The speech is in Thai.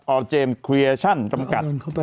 ออร์เจมส์เครียชั่นตำกัด